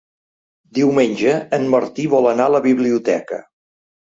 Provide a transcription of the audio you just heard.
Diumenge en Martí vol anar a la biblioteca.